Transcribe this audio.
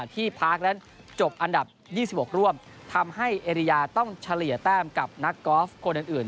ที่พาร์คนั้นจบอันดับ๒๖ร่วมทำให้เอเรียต้องเฉลี่ยแต้มกับนักกอล์ฟคนอื่น